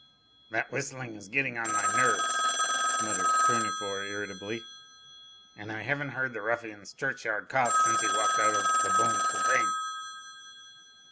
"That whistling is getting on my nerves," muttered Tournefort irritably; "and I haven't heard the ruffian's churchyard cough since he walked out of the 'Bon Copain.'"